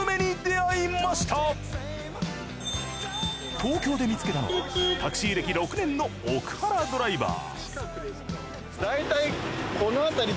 東京で見つけたのはタクシー歴６年の奥原ドライバー。